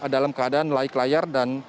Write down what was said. dalam keadaan laik layar dan